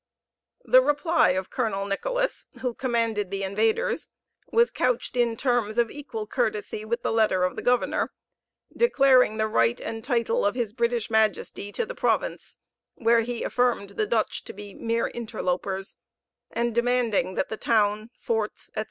The reply of Colonel Nicholas, who commanded the invaders, was couched in terms of equal courtesy with the letter of the governor, declaring the right and title of his British Majesty to the province, where he affirmed the Dutch to be mere interlopers; and demanding that the town, forts, etc.